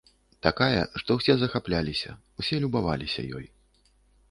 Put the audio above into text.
Такая, што ўсе захапляліся, усе любаваліся ёй.